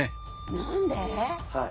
何で？